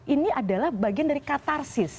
ini adalah bagian dari katarsis